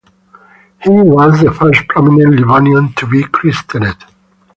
He was the first prominent Livonian to be christened.